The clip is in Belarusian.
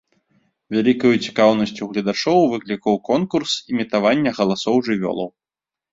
Вялікую цікаўнасць у гледачоў выклікаў конкурс імітавання галасоў жывёлаў.